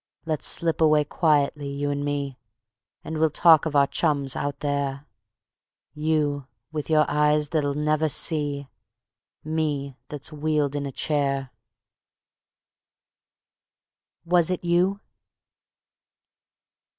Let's slip away quietly, you and me, And we'll talk of our chums out there: You with your eyes that'll never see, Me that's wheeled in a chair. Was It You?